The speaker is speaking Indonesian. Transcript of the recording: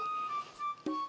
mau sama si si